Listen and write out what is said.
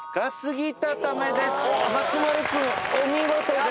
松丸君お見事です。